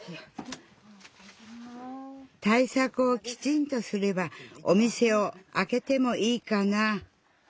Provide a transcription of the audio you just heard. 対策をきちんとすればお店をあけてもいいかな。